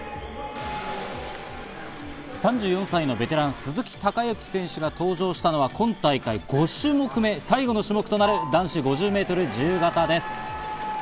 ３４歳のベテラン、鈴木孝幸選手が登場したのは今大会５種目目、最後の種目となる男子５０ｍ自由形です。